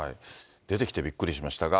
出てきてびっくりしましたが。